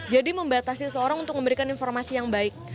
jadi membatasi seorang untuk memberikan informasi yang baik